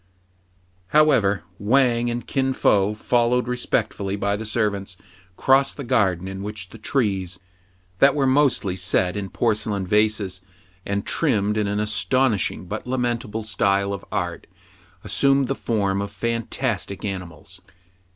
However, Wang and Kin Fo, followed respect fully by the servants, crossed the garden, in which the trees, that were mostly set in porcelain vases, AN IMPORTANT LETTER, 39 and trimmed in an astonishing but lamentable style of art, assumed the form of fantastic ani mals.